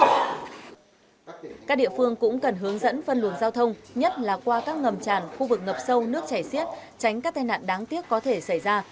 các địa phương cũng cần hướng dẫn phân luồng giao thông nhất là qua các ngầm tràn khu vực ngập sâu nước chảy xiết tránh các tai nạn đáng tiếc có thể xảy ra